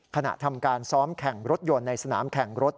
ทำการซ้อมแข่งรถยนต์ในสนามแข่งรถ